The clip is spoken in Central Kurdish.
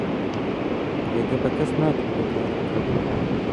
ڕێگە بە کەس نادرێت ئەو کارە بکات.